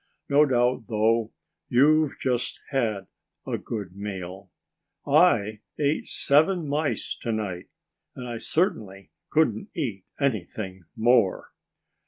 No doubt, though, you've just had a good meal. I ate seven mice to night. And I certainly couldn't eat anything more."